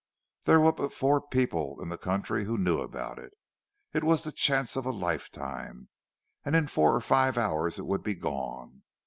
There were but four people in the country who knew about it. It was the chance of a lifetime—and in four or five hours it would be gone.